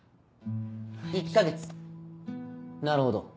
１か月なるほど。